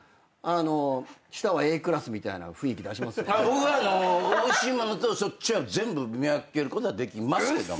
僕はおいしい物とそっちは全部見分けることはできますけども。